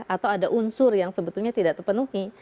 atau ada unsur yang sebetulnya tidak terpenuhi